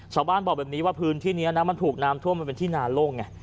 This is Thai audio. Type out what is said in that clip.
ชาวบ้านบอกแบบนี้ว่าพื้นที่นี้นะมันถูกน้ำท่วมมันเป็นที่นาโล่งไง